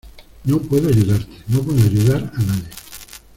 No puedo ayudarte. No puedo ayudar a nadie .